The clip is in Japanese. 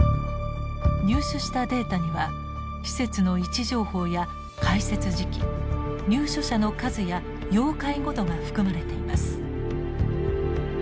入手したデータには施設の位置情報や開設時期入所者の数や要介護度が含まれています。